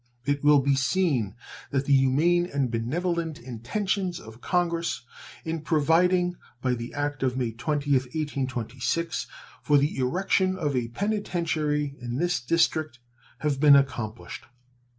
It will be seen that the humane and benevolent intentions of Congress in providing, by the act of May 20th, 1826, for the erection of a penitentiary in this District have been accomplished.